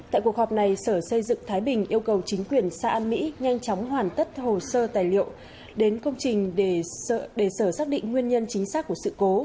tại cuộc họp này sở xây dựng thái bình yêu cầu chính quyền xã an mỹ nhanh chóng hoàn tất hồ sơ tài liệu đến công trình để sở xác định nguyên nhân chính xác của sự cố